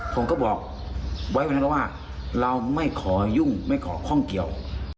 ผมก็บอกไว้ว่าเราไม่ขอยุ่งไม่ขอข้องเกี่ยว